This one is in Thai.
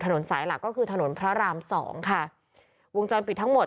ถนนสายหลักก็คือถนนพระรามสองค่ะวงจรปิดทั้งหมด